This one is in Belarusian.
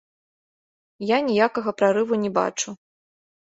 Я ніякага прарыву не бачу.